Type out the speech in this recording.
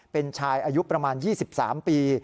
เป็นชายอายุประมาณ๒๓ปี